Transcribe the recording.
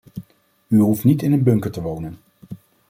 U hoeft niet in een bunker te wonen.